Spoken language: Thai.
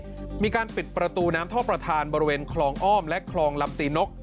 มีการปิดประตูน้ำท่อประธานบริเวณคลองอ้อมและคลองลำตีนก